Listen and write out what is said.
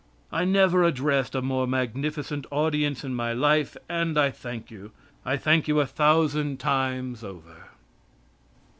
I never addressed a more magnificent audience in my life, and I thank you, I thank you a thousand times over.